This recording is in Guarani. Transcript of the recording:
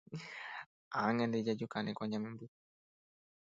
Ág̃ante jajukáne ko añamemby.